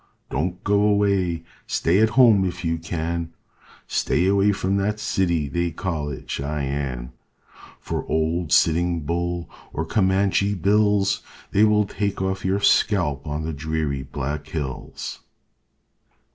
Don't go away, stay at home if you can, Stay away from that city, they call it Cheyenne, For old Sitting Bull or Comanche Bills They will take off your scalp on the dreary Black Hills.